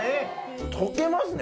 溶けますね